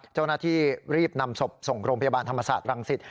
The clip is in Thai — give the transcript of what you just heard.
เจ้าหน้าที่รีบนำศพส่งโรงพยาบาลธรรมศาสตร์รังสิต